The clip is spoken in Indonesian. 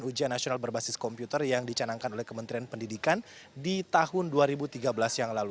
dan ujian nasional berbasis komputer yang dicanangkan oleh kementerian pendidikan di tahun dua ribu tiga belas yang lalu